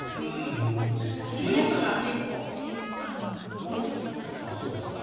渋谷区が結構多いと思います。